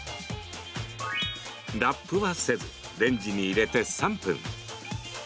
ラップはせずレンジに入れて３分。